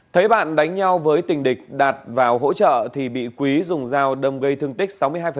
thấy bạn đánh nhau với tình địch đạt vào hỗ trợ thì bị quý dùng dao đâm gây thương tích sáu mươi hai